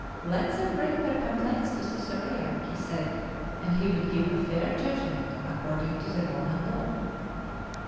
Let them bring their complaints to Cesarea, he said, and he would give a fair judgment according to the Roman law.